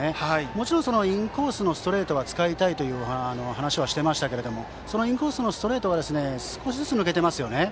もちろんインコースのストレートは使いたいという話はしていましたけどもそのインコースのストレートが少しずつ抜けていますね。